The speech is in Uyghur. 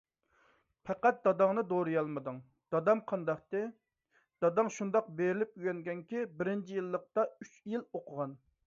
_ پەقەتلا داداڭنى دورىيالمىدىڭ؟ _ دادام قانداقتى؟ _ داداڭ شۇنداق بېرىلىپ ئۆگەنگەنكى، بىرىنچى يىللىقتا ئۈچ يىل ئوقۇغان.